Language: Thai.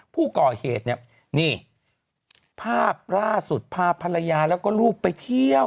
ผู้ก่อเหตุเนี่ยนี่ภาพล่าสุดพาภรรยาแล้วก็ลูกไปเที่ยว